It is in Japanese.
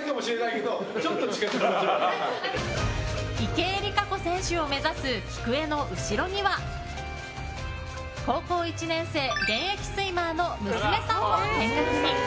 池江璃花子選手を目指すきくえの後ろには高校１年生、現役スイマーの娘さんも見学に。